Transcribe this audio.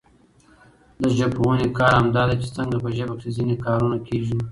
د ژبپوهني کار همدا دئ، چي څنګه په ژبه کښي ځیني کارونه کېږي.